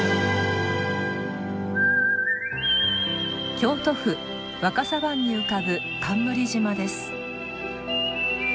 京都府若狭湾に浮かぶ冠島です。